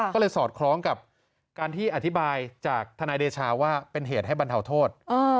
ก็เลยสอดคล้องกับการที่อธิบายจากทนายเดชาว่าเป็นเหตุให้บรรเทาโทษ